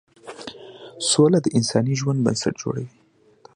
سوله د انساني ژوند بنسټ جوړوي.